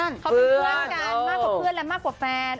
มากกว่าเพื่อนและแฟน